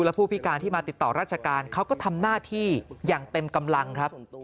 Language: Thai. และผู้พิการที่มาติดต่อราชการเขาก็ทำหน้าที่อย่างเต็มกำลังครับ